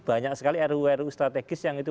banyak sekali ruu ruu strategis yang itu